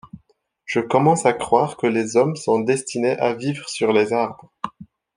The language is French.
Je commence à croire que les hommes sont destinés à vivre sur les arbres.